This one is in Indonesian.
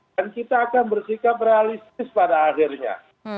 dan kita akan bersikap realistis pada akhirnya